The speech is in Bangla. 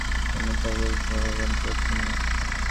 তিনি বলেছিলেন যে তিনি প্রচারের জন্য তাঁর পরিষেবা প্রদান করছেন না।